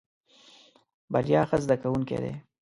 بريا ښه زده کوونکی دی.